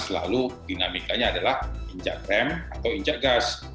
selalu dinamikanya adalah injak rem atau injak gas